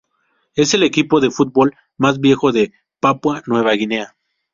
Es el equipo de fútbol más viejo de Papúa Nueva Guinea.